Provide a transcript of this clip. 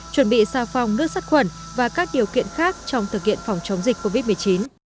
chuẩn bị xa phòng nước sắt khuẩn và các điều kiện khác trong thực hiện phòng chống dịch covid một mươi chín